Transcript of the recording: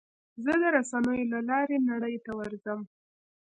زه د رسنیو له لارې نړۍ ته ورځم.